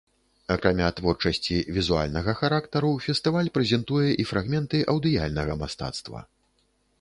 Акрамя творчасці візуальнага характару, фестываль прэзентуе і фрагменты аўдыяльнага мастацтва.